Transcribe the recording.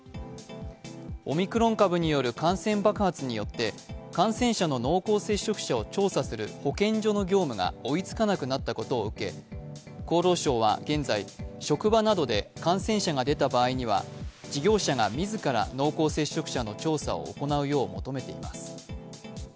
オミクロン株による感染爆発によって感染者の濃厚接触者を調査する保健所の業務が追いつかなくなったことを受け、厚労省は現在、職場などで感染者が出た場合には、事業者が自ら濃厚接触者の調査を行うよう求めています。